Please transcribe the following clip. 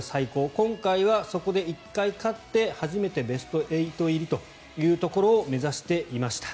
今回は、そこで１回勝って初めてベスト８入りというところを目指していました。